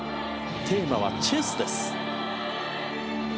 テーマはチェスです。